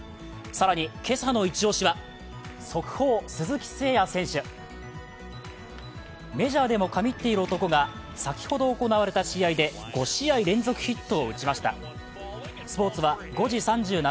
更に今朝のイチ押しは、速報、鈴木誠也選手。メジャーでも神ってる男が先ほど行われた試合で５試合連続ヒットを打ちました。